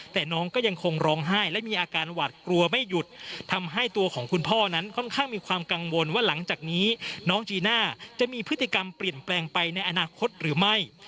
แต่น้องก็ยังคงร้องไห้และมีอาการหวัดกลัวไม่หยุดทำให้ตัวของคุณพ่อนั้นค่อนข้างมีความกังวลว่าหลังจากนี้น้องจีน่าจะมีพฤติกรรมเปลี่ยนแปลงไปในอนาคตหรือไม่